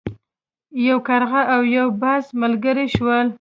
یو کارغه او یو باز ملګري شول.